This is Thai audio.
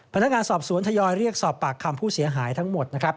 พนักงานสอบสวนทยอยเรียกสอบปากคำผู้เสียหายทั้งหมดนะครับ